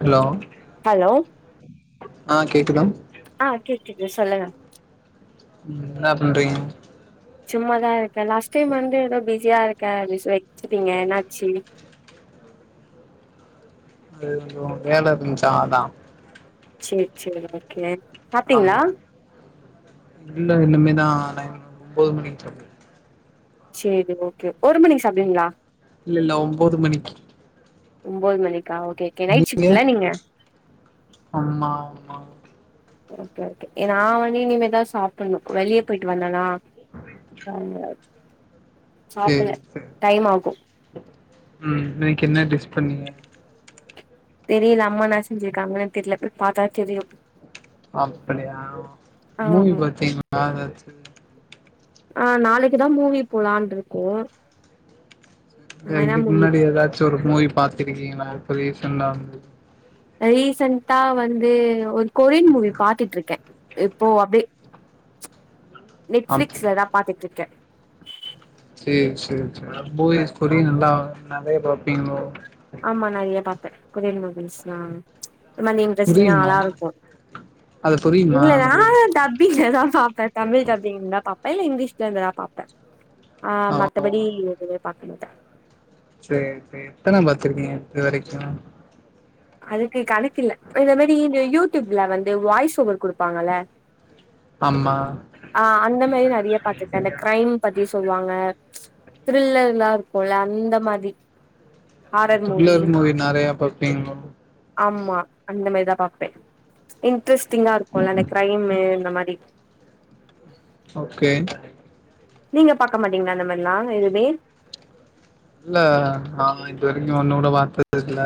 hello hello ஆஹ் கேட்குதா ஆஹ் கேட்குது சொல்லுங்க உம் என்ன பண்றீங்க சும்மாதான் இருக்கேன் லாஸ்ட் டைம் வந்து ஏதோ பிஸியா இருக்கே அப்டி சொல்லி வச்சுட்டீங்க என்னா பிஸி வேலை இருந்துச்சா அதான் சரி சரி ஓகே சாப்ட்டீங்களா ஆமா இல்ல இனிமேதா ஒம்பது மணிக்கு சாப்டாச்சு சரி ஓகே ஒரு மணிக்கு சாப்பிடுவிங்களா இல்ல இல்ல ஒன்பது மணிக்கு ஒம்போது மணிக்கு நீங்க ஆமா ஆமா ஓகே ஓகே நான் வந்து இனிமேதா சாப்பிடணும் வெளியே போயிட்டு வந்தனா ச [unintelligible] சாப்பல டைம் ஆகும் உம் இன்னைக்கு என்ன டிஸ் பண்ணீங்க தெரியல அம்மா நான் செஞ்சிருக்காங்கன்னு தெரியலப போய் பார்த்தா தெரியும் அப்படியா மூவி ஆமா பாத்தீங்களா ஏதாச்சு ஆஹ் நாளைக்குதான் மூவி போலான் இருக்கோ இதுக்கு முன்னாடி ஏதாச்சும் ஒரு மூவி பாத் இருக்கீங்கங்களா இப்ப ரீசண்டா ரீசென்டா வந்து கொரியன் மூவி பாத்திட்டு இருக்கேன் இப்போ அப்டே அப் நெட்ஃபிளிக்ஸ்ல தான் பாத்துட்டு இருக்கே சேரி சேரி சேரி போய்ஸ் ஆ கொரிய நல்லா நறைய பாத் பில்லோ கொ [unintelligible] மகிழ்ஸா இந்த இன்ட்ரெஸ்டிங்கா நல்லா புரியுமா இருக்கு அது புரியுமா இல்ல நா நமக்கு டப்பிங்லதா பாப்பேன் தமிழ் டப்பிங்தா பாப்பே பில இங்கிலீஷ்ல இருந்துதா பாப்பே ஆ ஓ மத்தபடி இருக்குது பாக்கமாட்ட சேரி சேரி எத்தன பாத்துருப்பீங்க இது வரைக்கு அதுக்கு கணக்கில்ல இந்த மாரி இந்த யூடியூப்ல வந்து வாய்ஸ் ஓவர் குடுப்பாங்கல ஆம்மா ஆ அந்த மாரி நறைய பாத்துக்கேன் அந்த க்ரைம் பத்தி சொல்லுவாங்க த்ரில்லர்லா இருக்குல அந்த மாரி த்ரில்லர் மூவி நறைய பாப்பீங்கலா ஆமா அந்த மாரிதான் பாப்பேன் ம் இன்ட்ரெஸ்டிங்கா இருக்கும்ல அந்த க்ரைம்மு இந்த மாரி ஓகே நீங்க பாக்க மாட்டீங்களா இந்த மாரில்லா எதுவுமே இல்ல நா இப்ப வரைக்கு ஒன்னு கூட பாத்தது இல்ல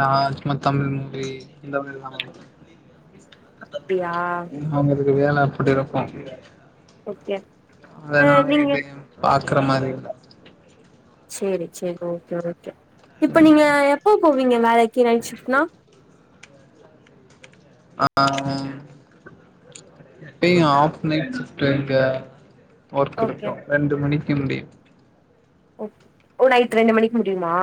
நா சும்மா தமிழ் மூவி இந்த மாரி தா அப்டியா வேல அப்டி இருக்கு ஓகே ஆ நீங்க அக்கரமாரி இல்ல சேரி சேரி ஓகே ஓகே இப்ப நீங்க எப்ப போவீங்க வேலைக்கு நைட் ஷிஃப்ட்னா ஆஹ் எப்பயு ஆஃப் நைட் ஷிப்ட்ங்க ஒர்க் ஓகே இருக்கு ரெண்டு மணிக்கு முடியு ஓ நைட்டு ரெண்டு மணிக்கு முடியுமா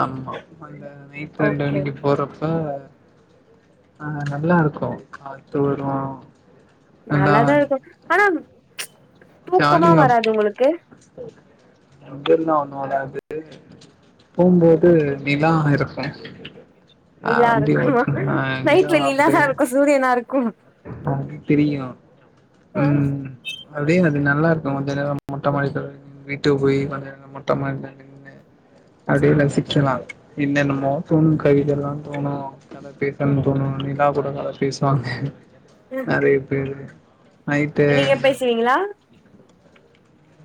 ஆமா அந்த நைட்டு ரெண்டு ஓகே மணிக்கு போறப் பஹ் ஆஹ் நல்லா இருக்கு காத்து வரு நல்லா நல்லாதா இருக்கு ஆனா தூக்கமா வராது உங்களுக்கு அங்க இருந்தா ஒண்ணு வராது போம்போது நிலா ஸ்நேக்ஸ் நிலாருக்குமா நைட்ல நிலாதா இருக்கு சூரியனா இருக்கு அது தெரியு உம் அதே அது நல்லாருக்கு அந்த நேரோ மொட்ட மாடில வீட்டுக்கு போய் வந்து மொட்ட மாடில நின்னு அப்டியே ரசிக்கலா என்னென்னமோ தோணு கவிதைலா தோணு கத பேசன்னு தோணு நிலா கூட கத பேசுவாங்க நெறைய பேரு நீங்க நைட்டு பேசுவிங்களா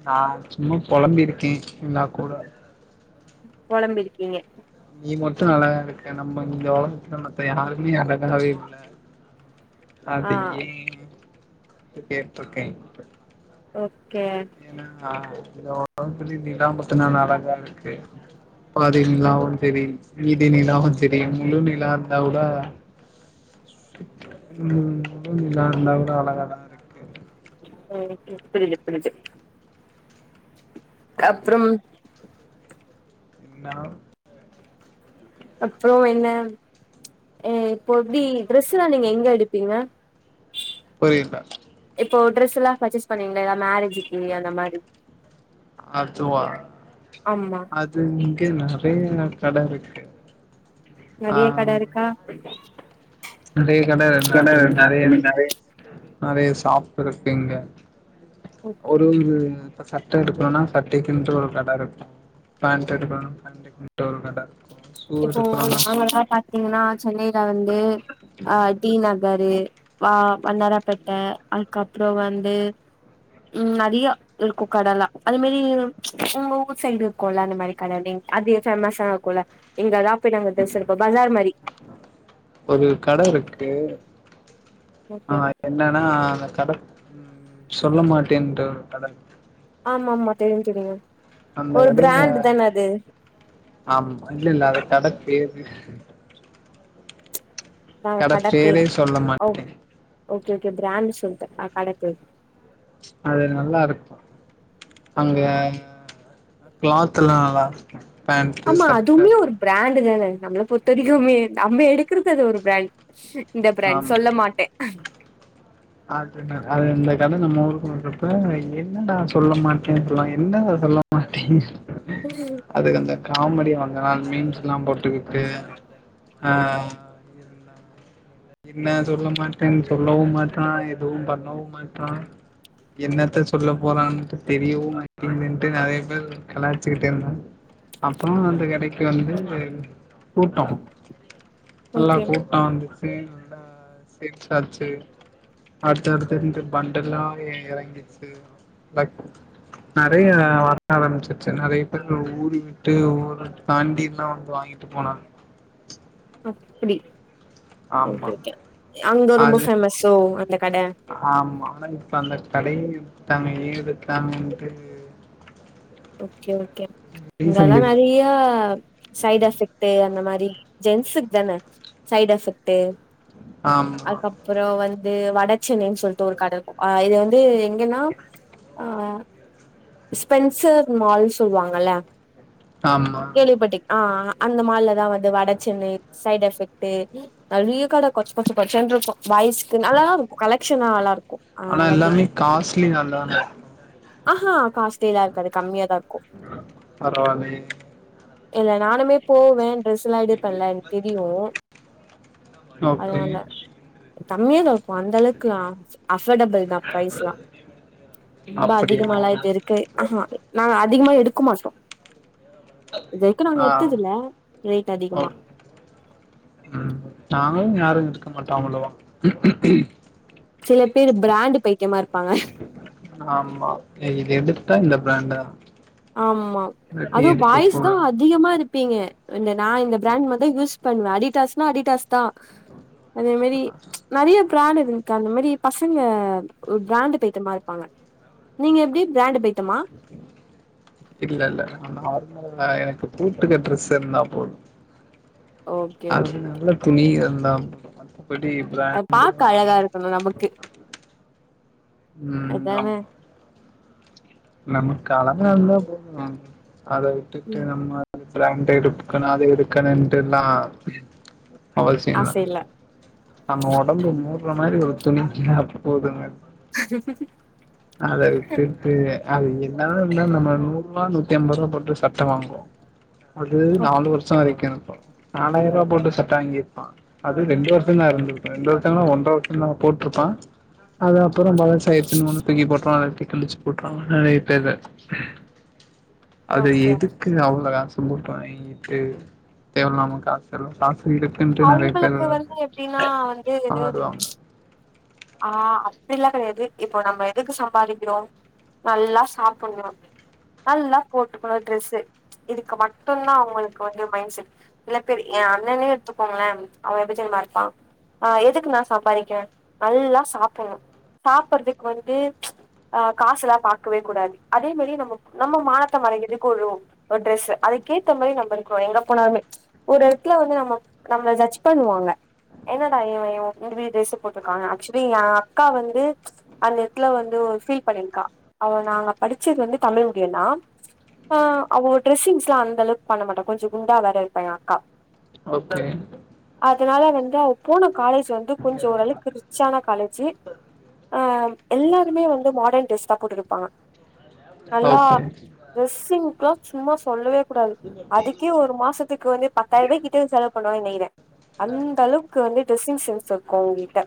நா சும்மா பொலம்பிருக்கே நிலா கூட பொலம்பிருக்கிங்க நீ மட்டு அழகா இருக்க நம்ம இந்த உலகத்ல மத்த யாருமே அழகாவே இல்ல ஆ அது ஏ கேட்ருக்கே ஓகே ஏனா ஆஹ் இந்த ஒலகத்துலே நிலா மட்டுந்தான அழகாருக்கு பாதிங்ளாவு செரி மீதி நிலாவு செரி முழு நிலா இருந்தா கூட உம் முழு நிலா இருந்தா கூட அழகாதாருக்கு ம் பிடிக்கு பிடிக்கு ஆமா அப்றம் என்னா அப்றொ என்ன எ இப்பொ எப்டி ட்ரெஸ்லா நீங்க எங்க எடுப்பிங்க புரில இப்போ ட்ரெஸ்லா பச்சஸ் பண்ணிங்ள மேரேஜ் அதுவா ஆமா அது [unintelligible] நறயா கட இருக்கு நறய கட இருக்கா நெறய கட என்ன எனக் ஐ நெறய மீன் இருக் நெறைய [unintelligible] சாப்ட்டதற்கு எங்க ஓகே ஒரு ஒரு இப்ப சட்ட எடுக்கணுனா சட்டைக்கின்ட்டு ஒரு கட இருக்கு பேண்ட் எடுக்கணுனா பேண்டுக்குன்டு ஒரு கடருக் இப்போ நாங்கலா பாத்தீங்னா சென்னை ல வந்து அஹ் டி நகரு வா வண்ணாராப்பேட்ட அதுக்கப்புற வந்து உம் நெறைய இருக்கு கடல்லா அது மாரி உங்க ஊர் சைடு இருக்குல்ல அந்த மாரி கடைலிங் அதே ஃபேமஸா இருக்குல இங்கதா போயி நாங்க டிரஸ் எடுப்போ பஜார் மாரி ஓகே ஆஹ் என்னன்னா அந்த கட ம் சொல்ல மாட்டேன்டு கட இருக் ஆமாமா தெரியு தெரியு அந்த ஒரு கடயில பிராண்ட் தான அது ஆம் இல்லல்ல அது கட பேரு அ [inaudible] கட பேர பேரு சொல்ல ஓ மாட்டே ஓகே ஓகே பிராண்டு சொல்ட்டே அ கட பேரு அது நல்லா இருக்கு அங்க கிளாத் எல்லா நல்லா இருக்கு ஆமா அதுமே ஒரு பிராண்டு தானே நம்மள பொறுத்த வரைக்குமே நம்ம எடுக்கிறது அது ஒரு பிராண்ட் இந்த பிராண்ட் ஆமா சொல்ல மாட்டே அது நா அது இந்த கட நம்ம ஊர் [unintelligible] என்னடா சொல்ல மாட்டே இப்படில்லா என்ன‌ இதெல்லா சொல்ல மாட்டேன் அதுக்கந்த காமெடி கொஞ்ச நாள் மீம்ஸ் எல்லா போட்டுகிட்டு ஆ என்ன சொல்ல மாட்டே சொல்லவு மாட்டா எதுவு பண்ணவு மாட்டா என்னத்த சொல்ல போறான்ட்டு தெரியவு மாட்டிங்கிதுன்ட்டு நெறைய பேர் கலாச்சுக்கிட்டு இருந்தாங் அப்புற அந்த கடைக்கு வந்து கூட்டோ நல்லா ஓகே கூட்டோ வந்துச்சு [unintelligible] நல்லா சேல்சாச்சு அடுத்த அடுத்து இருந்து பண்ட எல்லா இறங்கிச்சு நெறைய வர ஆரம்பிச்சிருச்சு நெறைய பேர் ஊரு விட்டு ஊர தாண்டில்லா வந்து வாங்கிட்டு போனாங்க அப்டி ஆமா ஓகே ஓகே அங்க ரொம்ப அது ஃபேமஸோ அந்த கட ஆமா ஆனா இப்ப அந்த கடயே [unintelligible] எடுத்தாங்கன்ட்டு ஓகே ஓகே ரீசன் இங்கெல்லா தெர்ல நெறையா சைடு எஃபெக்ட் அந்த மா ரி ஜென்ஸ்க்குதான சைடு எஃபெக்ட்டு ஆமா அதுக்கப்புறோ வந் இது வடச்சென்னைன்னு சொல்ட்டு ஒரு கட இருக்கோ இது வந்து எங் ங்கனா ஆ ஸ்பென்சர் மால் சொல்லுவாங்கல்ல ஆமா கேவி பட்டிக் ஆ ஹ அந்த மால்ல தா வந்து வடசென்னை சைடு எஃபெக்ட்டு நறிய கட கொச்ச கொச்சோ கொச்சோன் இருக்கோ வயசு்கு நல்லாதா இருக்கோ கலெக்ஷனா நல்லா இருக்கோ ஆ ஆனா நா கேட்ட எல்லாமே காஸ்ட்லி தான ஆஹா காஸ்ட்லிலா இருக்காது கம்மியாதா இருக்கோ பரவாலயே இல்ல நானுமே போவ ட்ரெஸெலா எடுப்பல எனக்கு தெரியோ ஓகே கம்மீயாதா இருக் போ அந்த அளவுக்குலா அஃபோர்டபிள்தா ப்ரைஸ்லா ரொம்ப அப்படியா அதிகமாலா இது இருக்கு அ ஹா அ அதிகமா எடுக்க மாட்டோ இது வரைக்கு நாங்க ஆ எடுத்தது இல்ல ரேட் அதிகமா நாங்களு யாரு எடுக்க மாட்டாங்களோ சில பேர் பிராண்ட் பைத் ஆமா இதுல எது கரட்டா இந்த பிரண்டா ஆமா அதவு பாய்ஸ்தா போறே அதிகமா இருக் ப்பீங்க இந்த நா இந்த பிராண்ட் மது யூஸ் பண்ணுவ அடிடாஸ்னா அடிடாஸ்தா அதே மாரி நறிய பிராடக்ட் எனக்கு அந்த மாரி பசங்க பிராண்டு பைத்தியமா இருப்பாங்க நீங்க எப்டி பிராண்டு பை த்தியமா இல்ல இல்ல நார்மலா எனக்கு போட்டுக்க ட்ரெஸ் இருந்தா போதும் ஓகே ஓ அது நல்ல துணி அது [unintelligible] அது பாக்க அழகா இருக்கணோ நமக்கு ம் ஆமா அதானே நமக்கு அழகா இருந்தா போதோ மேம் அத விட்டுட்டு ம் நம்ம அது ப்ராண்டடு பொக் அத எடுப்புக்கணோட்டெலா அவல் ஆச செய்ணோனா இல்ல ஆமா ஒடம்பு முறுக் மாரி ஒரு துணி அது போதுங்க [inaudible] அத விட்டுட்டு அது என்ன இருந்தா நம்ம நூறு ரூபா நூத்தி ஐம்பது ரூபா போட்டு சட்ட வாங்குவோ அது நாலு வருஷம் வெக்கணு நாலாயிரம் ரூபா போட்டு சட்ட வாங்கியிருப்பான் அது ரெண்டு வருஷம் தா இருந்திருப்ப ரெண்டு வருஷங்கா ஒன்ற வருஷம் தா போட்டிருப்பா அது அப்புறம் பலசாயிடுச்சுன்னு தூக்கி போட்டுறுவா இல்லாட்டி கிழிச்சு போட்டுறுவா நெறைய பேரு அது ஓகே எதுக்கு அவ்ளோ காசு போட்டு வாங்கிட்டு தேவயில்லாம காசு செலவு இருக்குன்ட்டு நிறைய பேர் அவங்களுக்கு வந்து எப்டின்னா வந்து ஆடுவாங்க ஆஹ் அப்டில்லா கெடையாது இப்போ நம்ம எதுக்கு சம்பாதிக்கிறோம் நல்லா சாப்பிடணு நல்லா போட்டுக்கணு ட்ரெஸ்சு இதுக்கு மட்டும்தா அவங்களுக்கு வந்து மைண்ட செட் சில பேர் ஏ அண்ணனே எடுத்துக்கோங்களே அவன் விஜய் மாரி தா இருப்பா ஆஹ் எதுக்கு நா சம்பாதிக்கிறேன் நல்லா சாப்பிடணு சாப்புடறதுக்கு வந்து அஹ் காசு இல்லா பாகக்கவே கூடாது அதே மாரி நம்ம நம்ம மானத்தை மறைக்கிறதுக்கு ஒரு ஒரு ட்ரெஸ்சு அதுக்கேத்த மாரி நம்ம இருக்கிறோ எங்க போனாலமே ஒரு எடத்துல வந்து நம்ம நம்மள ஜடஜ் பண்ணுவாங்க என்னடா இவ இந்த மாரி டிரெஸ் போட்டு க்க ஆக்சுலி ஏ அக்கா வந்து அந்த எடத்துல வந்து ஒரு பீல் பண்ணிருக்கா அவ நாங்க படிச்சது வந்து தமிழ் மீடியம்னா அஹ் அவ டிரெஸ்சிங்ஸ்ல்லாம் அந்த அளவுக்கு பண்ண மாட்டோம் கொஞ்சம் குண்டா வேற இருப்பா ஏ அக்கா ஓகே அதனால வந்து அவ போன காலேஜ் வந்து கொஞ்ச ஓரவுக்கு ரிச்சான காலேஜ் எல்லாருமே வந்து மாடன் டிரஸ்தா போட்டுயிருப்பாங்க நல்லா ஓகே டிரஸ்சிங் ப்பலா சும்மா சொல்லவே கூடாது அதுக்கே ஒரு மாசத்துக்கு வந்து பத்தாயிரம் கிட்ட செலவு பண்ணுவாகனு நெனைகிற அந்த அளவுக்கு வந்து ட்ரெஸ்ஸிங் சென்ஸ் இருக்கு அங்கிட்ட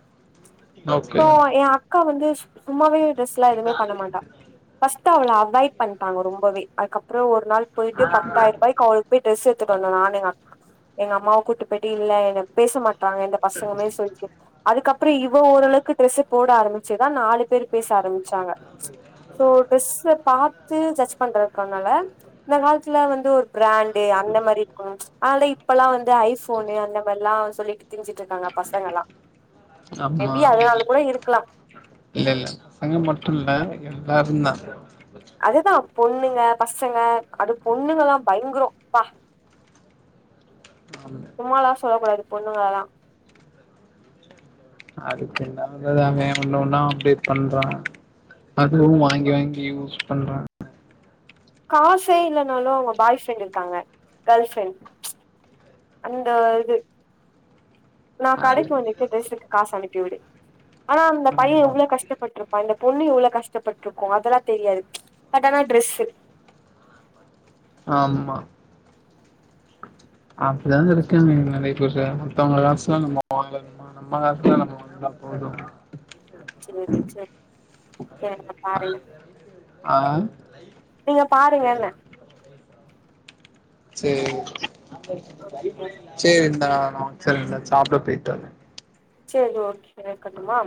ஓகே இப்ப ஏ அக்கா வந்து சும்மாவே டிரஸ்லா எதுமே பண்ண மாட்டா ஃபஸ் அவள அவாய்ட் பண்ட்டாங்க ரொம்பவே அதுக்கப்புறம் ஒரு ஒரு நாள் போயிட்டு பத்தாயிரம் ரூபாய்க்கு ட்ரெஸ் எத்துட்டு வந்த நானு எங்க எங்க அம்மாவ கூட்டி போய்டு இல்ல பேச மாட்ட இந்த பசங்கமே செரி அதுக்கப்புறம் அப்புறம் இவ ஓரளவுக்கு டிரெஸ் போட ஆரம்பிச்சுதா நாலு பேர் பேச ஆரம்பிச்சாங்க சோ ட்ரெஸ் பாத்து ஜட்ஜ் பண்றதுக்கனால இந்த காலத்துல வந்து ஒரு பிராண்டு அந்த மாரி இருக்கு அதனால இப்பெல்லா வந்து ஐபோனு அந்த மாரில்லா சொல்லிட்டு திரிஞ்சிட்டு இருக்காங்க பசங்க எல்லா ஆமா இல்ல இல்ல அங்க மட்டும்ல்ல எல்லருந்தா அதுதா பொண்ணுங்க பசங்க அது பொண்ணுங்கல்லா பயங்கரம்ப்பா ஆமா உமாலா சொல்லக்க கூடாது பொண்ணுங்களல்லா அதுக்கு என்ன வந்த ஒண்ணு ஒண்ணா அப்டேட் பண்ற அதுவு வாங்கி வாங்கி யூஸ் பண்றா காசே இல்லைன்னாலு அவங்க பாய் ஃப்ரெண்ட் இருக்காங்க கேர்ள் ஃப்ரெண்ட் அந்த இது நா அது கடைக்கு வந்துக்கே டிரஸ்க்கு காச அனுப் வ்டு ஆனா அந்த பைய ஆமா எவ்ளோ கஷ்டப்பட்ருப்பா அந்த பொண்ணு இவ்ளோ கஷ்டப்பட்ருக்கோ அதெல்லா தெரியாது பட்டானா ட்ரெஸ்ஷு ஆமா அப்பதா இருக்காங்க நெறைய பேற மத்தவங்க காசு [inaudible] லா நம்ம வாழணுமா நம்ம காசா நம்ம வாங்குனா போது சரி சரி செரிங்க பாருங்க ஆ நீங்க பாருங்கன்ன சரி சரிந்தா ஆ சரிங்க சாப்பிட போயிட்வாறே சரி ஓகே க்கட்டுமா